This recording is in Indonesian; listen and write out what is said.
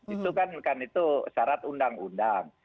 itu kan itu syarat undang undang